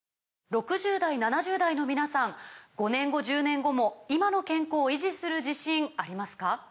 ６０代７０代の皆さん５年後１０年後も今の健康維持する自信ありますか？